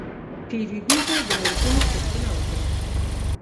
پیرودونکی د نرخونو پوښتنه وکړه.